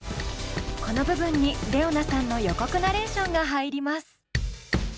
この部分にＲｅｏＮａさんの予告ナレーションが入ります。